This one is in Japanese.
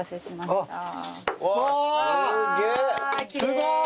すごい。